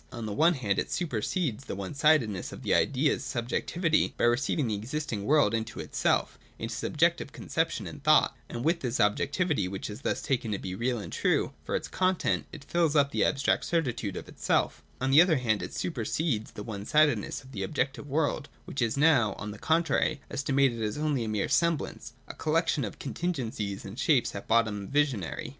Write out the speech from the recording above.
On the one hand it supersedes the one sidedness of the Idea's subjectivity by receiving the existing world into itself, into subjective conception and thought; and with this objectivity, which is thus taken to be real and true, for its content it fills up the abstract certitude of itself On the other hand, it super sedes the one sidedness of the objective world, which is now, on the contrary, estimated as only a mere sem blance, a collection of contingencies and shapes at bottom visionary.